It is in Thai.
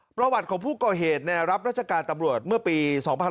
ประวัติของผู้ก่อเหตุรับราชการตำรวจเมื่อปี๒๕๕๙